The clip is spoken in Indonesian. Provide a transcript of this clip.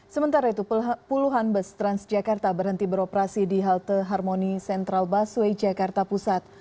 sementara itu puluhan bus transjakarta berhenti beroperasi di halte harmoni sentral busway jakarta pusat